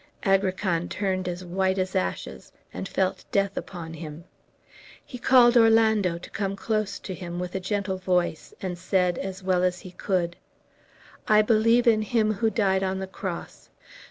Agrican turned as white as ashes, and felt death upon him. He called Orlando to come close to him, with a gentle voice, and said, as well as he could: "I believe on Him who died on the cross.